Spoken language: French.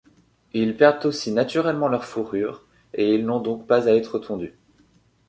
Ils perdent aussi naturellement leur fourrure, et ils n'ont donc pas à être tondus.